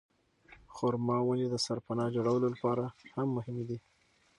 خورما ونې د سرپناه جوړولو لپاره هم مهمې دي.